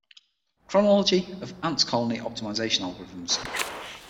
Chronology of ant colony optimization algorithms.